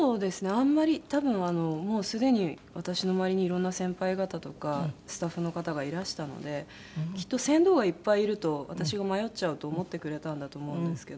あんまり多分もうすでに私の周りにいろんな先輩方とかスタッフの方がいらしたのできっと船頭がいっぱいいると私が迷っちゃうと思ってくれたんだと思うんですけど。